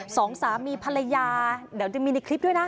สองสามีภรรยาเดี๋ยวจะมีในคลิปด้วยนะ